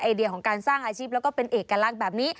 เดียของการสร้างอาชีพแล้วก็เป็นเอกลักษณ์แบบนี้